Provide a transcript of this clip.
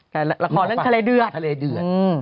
ละครเรื่องทะเลเดือด